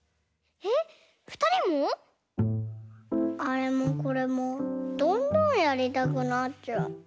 あれもこれもどんどんやりたくなっちゃう。